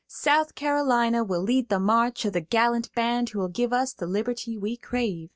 South Carolina will lead the march of the gallant band who will give us the liberty we crave.